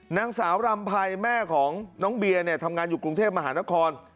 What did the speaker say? นางสาวรำภัยแม่ของน้องเบียร์เนี่ยทำงานอยู่กรุงเทพมหานคร